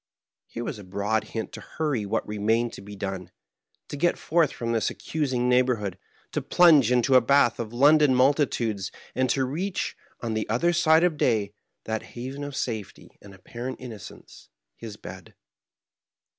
Here was a broad hint to hurry what remained to be done, to geth forth from this accusing neighborhood, to plunge into a bath of London multitudes, and to reach, on the other side of day, that haven of safety and appar ent innocence — ^his bed.